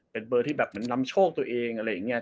เป็นเบอร์ที่แบบนำโชคตัวเองอะไรอย่างเงี่ย